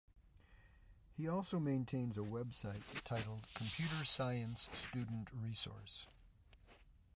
He also maintains a website titled Computer Science Student Resource.